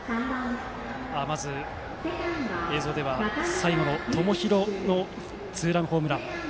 まず映像では最後の友廣のツーランホームラン。